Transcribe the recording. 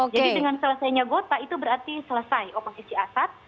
jadi dengan selesainya gota itu berarti selesai oposisi asat